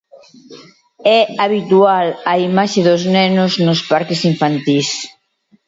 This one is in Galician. É habitual a imaxe dos nenos nos parque infantís.